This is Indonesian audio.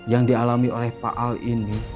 yang dialami oleh pak al ini